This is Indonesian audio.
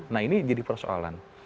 nah ini jadi persoalan